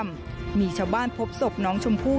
มีช่วงค้ามีชาวบ้านพบศพน้องชมพู่